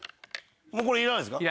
もうこれいらないですか？